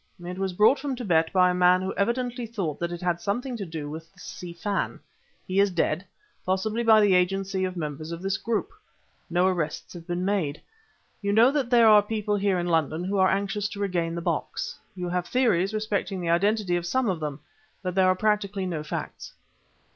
It was brought from Tibet by a man who evidently thought that it had something to do with the Si Fan. He is dead, possibly by the agency of members of this group. No arrests have been made. You know that there are people here in London who are anxious to regain the box. You have theories respecting the identity of some of them, but there are practically no facts."